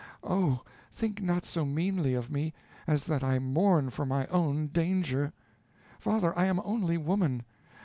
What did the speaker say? Oh! think not so meanly of me, as that I mourn for my own danger. Father, I am only woman.